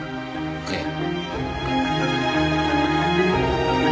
ええ。